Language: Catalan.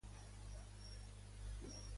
I què ha afirmat Guerrero?